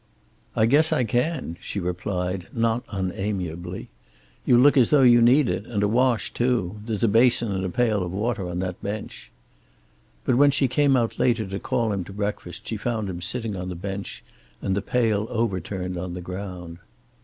"I guess I can," she replied, not unamiably. "You look as though you need it, and a wash, too. There's a basin and a pail of water on that bench." But when she came out later to call him to breakfast she found him sitting on the bench and the pail overturned on the ground.